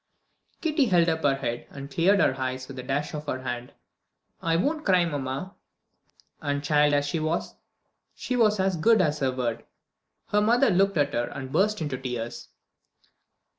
Kitty held up her head, and cleared her eyes with a dash of her hand. "I won't cry, mamma." And child as she was, she was as good as her word. Her mother looked at her and burst into tears.